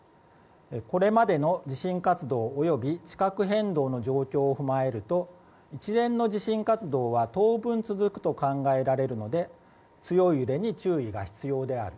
これまでの地震活動及び地殻変動の状況を踏まえると一連の地震活動は当分続くと考えられるので強い揺れに注意が必要である。